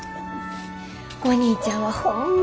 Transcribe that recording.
お兄ちゃんはホンマ